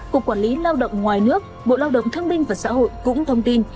cục quản lý lao động ngoài nước bộ lao động thương minh và xã hội cũng thông tin